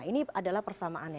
ini adalah persamaannya